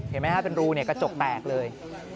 เห็นไหมครับเป็นรูกระจกแตกเลย